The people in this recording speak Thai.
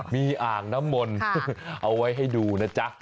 มีอ่างน้ำมนต์เอาไว้ให้ดูนะจ๊ะ